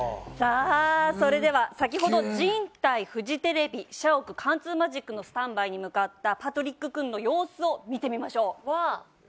それでは先ほど人体フジテレビ社屋貫通マジックのスタンバイに向かったパトリック・クンの様子を見ていきましょう。